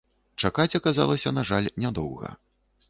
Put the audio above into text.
Чакаць аказалася, на жаль, нядоўга.